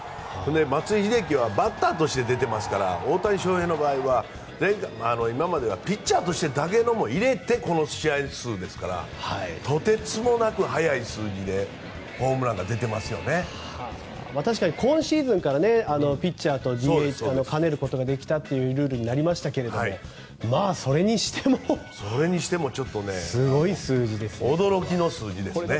松井秀喜はバッターとして出てますから大谷翔平の場合は今まではピッチャーとしてだけのも入れてこの試合数ですからとてつもなく早い数字で確かに今シーズンからピッチャーとＤＨを兼ねることができるというルールになりましたがそれにしてもすごい数字ですね。